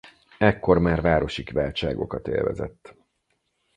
Ekkor már városi kiváltságokat élvezett.